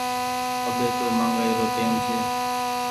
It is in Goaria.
اٻي تو مآگآئي رو ٽيم ڇي۔